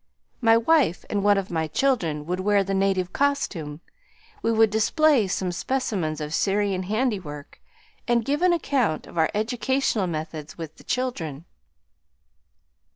My wife and one of my children would wear the native costume, we would display some specimens of Syrian handiwork, and give an account of our educational methods with the children.